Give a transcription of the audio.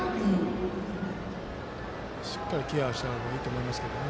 しっかりケアをした方がいいと思いますけどね。